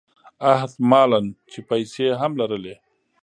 احت مالًا چې پیسې هم لرلې.